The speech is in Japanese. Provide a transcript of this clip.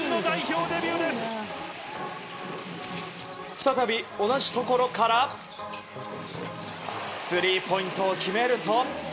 再び同じところからスリーポイントを決めると